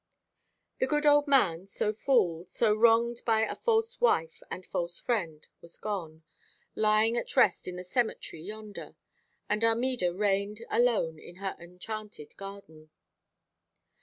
The good old man, so fooled, so wronged by a false wife and false friend, was gone, lying at rest in the cemetery yonder, and Armida reigned alone in her enchanted garden.